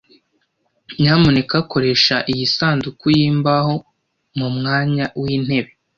Nyamuneka koresha iyi sanduku yimbaho mu mwanya wintebe.